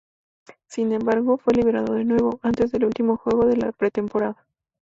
Sin embargo, fue liberado de nuevo, antes del último juego de la pretemporada.